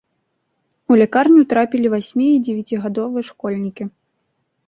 У лякарню трапілі васьмі- і дзевяцігадовыя школьнікі.